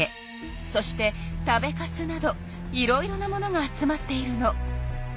そして食べカスなどいろいろなものが集まっているの。